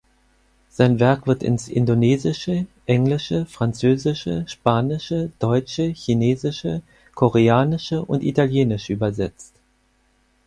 Sein Werk wird ins Indonesische, Englische, Französische, Spanische, Deutsche, Chinesische, Koreanische und Italienische übersetzt.